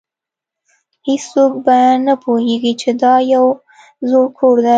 هیڅوک به نه پوهیږي چې دا یو زوړ کور دی